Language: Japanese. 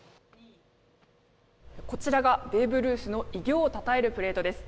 こちらがベーブ・ルースの偉業をたたえるプレートです。